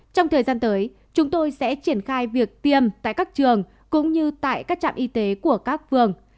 trong thời gian tới chúng tôi sẽ triển khai việc tiêm tại các trường cũng như tại các trạm y tế của các phường